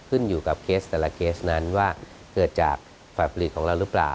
ขึ้นอยู่กับเคสแต่ละเคสนั้นว่าเกิดจากฝ่ายผลิตของเราหรือเปล่า